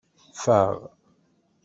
Faɣ.